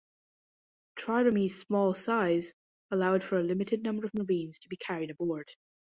Triremes' small size allowed for a limited number of marines to be carried aboard.